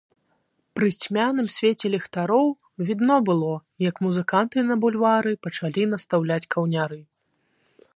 Пры цьмяным свеце ліхтароў відно было, як музыканты на бульвары пачалі настаўляць каўняры.